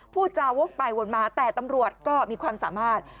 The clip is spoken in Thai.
พูดจาวกไปวนมาแต่ตำรวจก็มีความสามารถ